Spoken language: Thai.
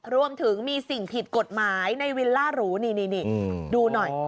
รวมถึงมีสิ่งผิดกฎหมายในวิลล่าหรูนี่ดูหน่อย